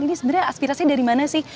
ini sebenarnya aspirasi dari mana sih